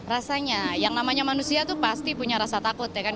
rasanya yang namanya manusia itu pasti punya rasa takut ya kan